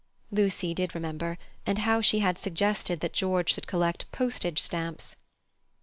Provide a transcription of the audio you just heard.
Lucy did remember, and how she had suggested that George should collect postage stamps.